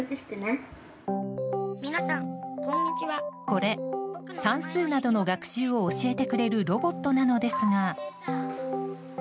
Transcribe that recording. これ、算数などの学習を教えてくれるロボットなのですが。